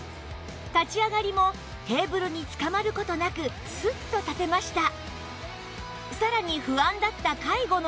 立ち上がりもテーブルにつかまる事なくスッと立てました